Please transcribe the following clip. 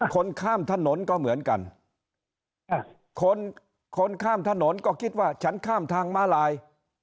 คนข้ามถนนก็เหมือนกันคนคนข้ามถนนก็คิดว่าฉันข้ามทางมาลาย